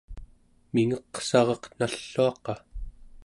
mingeqsaraq nalluaqa